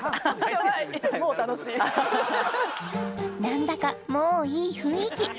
なんだかもういい雰囲気